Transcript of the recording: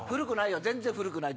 全然古くない！